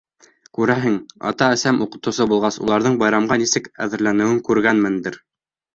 Күрәһең, ата-әсәм уҡытыусы булғас, уларҙың байрамға нисек әҙерләнеүен күргәнмендер.